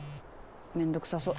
めんどくさそう。